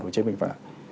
của chế bình phạm